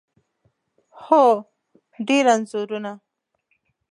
هو، ډیر انځورونه